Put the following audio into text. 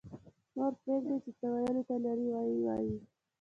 -نور پرېږدئ چې څه ویلو ته لري ویې وایي